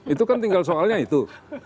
itu kan tinggal soalnya itu